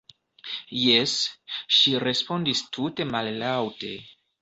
Jes, ŝi respondis tute mallaŭte.